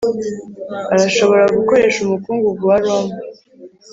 Arashobora gukoresha umukungugu wa Roma